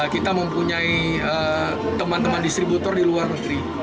kita mempunyai teman teman distributor di luar negeri